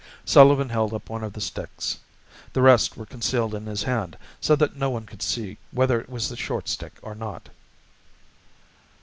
Sullivan held up one of the sticks. The rest were concealed in his hand so that no one could see whether it was the short stick or not.